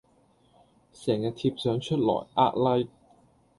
成日貼相出來呃 like